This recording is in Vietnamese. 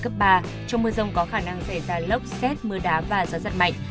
trong mưa rông có khả năng xảy ra lốc xét mưa đá và gió giật mạnh